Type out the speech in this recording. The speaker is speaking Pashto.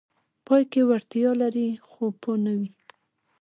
پای کې وړتیا لري خو پوه نه وي: